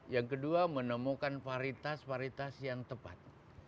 yang kedua menemukan varitas varitas yang tepat